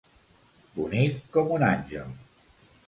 Bonic com un àngel.